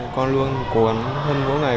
con luôn cố gắng hơn mỗi ngày